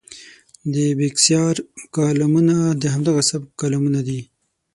د بېکسیار کالمونه د همدغه سبک کالمونه دي.